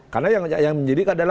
karena yang menjadikan